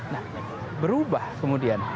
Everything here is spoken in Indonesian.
nah berubah kemudian